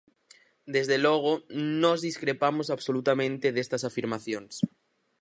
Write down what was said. Desde logo, nós discrepamos absolutamente destas afirmacións.